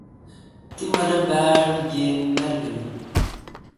تی مہ رل باڑ گین مربینی۔